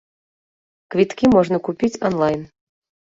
Квіткі можна купіць анлайн.